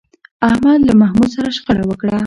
احمد له محمود سره شخړه وکړه